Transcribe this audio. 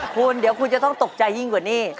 คุณเดี๋ยวคุณจะต้องตกใจยิ่งกว่านี้